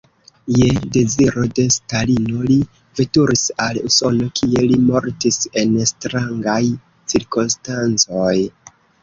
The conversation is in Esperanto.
Je deziro de Stalino li veturis al Usono, kie li mortis en strangaj cirkonstancoj.